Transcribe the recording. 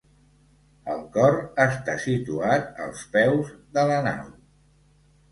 El cor està situat als peus de la nau.